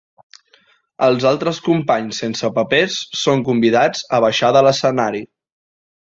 Els altres companys sense papers són convidats a baixar de l'escenari.